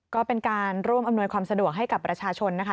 ก็เป็นการร่วมอำนวยความสะดวกให้กับประชาชนนะคะ